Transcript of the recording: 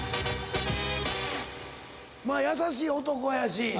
まあ優しい男やし。